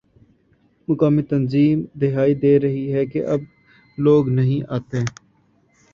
مقامی تنظیم دہائی دے رہی ہے کہ اب لوگ نہیں آتے